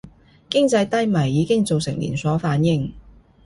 經濟低迷已經造成連鎖反應